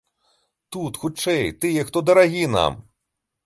Тут, хутчэй, тыя, хто дарагі нам.